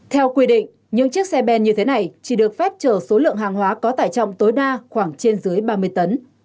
theo quy định những chiếc xe ben như thế này chỉ được phép chở số lượng hàng hóa có tải trọng tối đa khoảng trên dưới ba mươi tấn